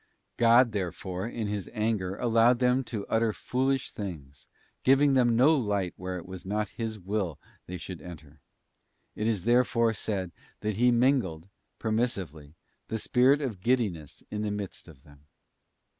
God, therefore, in His anger allowed them to utter foolish things, giving them no light where it was not His will they should enter. It is therefore said that He mingled, per missively, the spirit of giddiness in the midst of them.